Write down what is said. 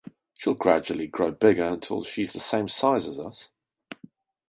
She'll gradually grow bigger until she's the same size as us.